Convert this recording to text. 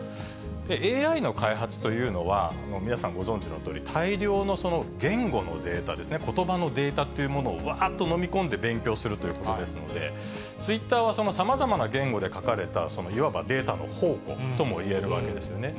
ＡＩの開発というのは、皆さんご存じのとおり、大量の言語のデータですね、ことばのデータっていうものをわっと飲み込んで勉強するということですので、ツイッターはさまざまな言語で書かれた、いわばデータの宝庫ともいえるわけですよね。